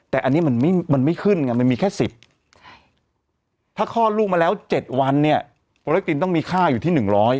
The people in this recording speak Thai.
แต่อันนี้มันไม่ขึ้นไงมันมีแค่๑๐ถ้าคลอดลูกมาแล้ว๗วันเนี่ยโปรเล็กตินต้องมีค่าอยู่ที่๑๐๐